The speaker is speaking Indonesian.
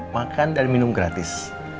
makan dan minum gratis